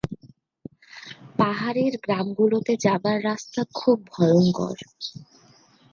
পাহাড়ের গ্রামগুলোতে যাবার রাস্তা খুব ভয়ঙ্কর।